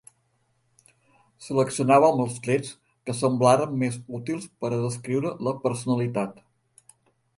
Seleccionàvem els trets que semblaren més útils per a descriure la personalitat.